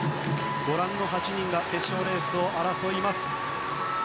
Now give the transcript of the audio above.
ご覧の８人が決勝レースを争います。